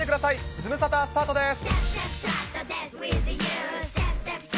ズムサタ、スタートです。